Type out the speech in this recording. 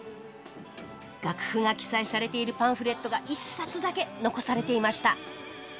楽譜が記載されているパンフレットが１冊だけ残されていました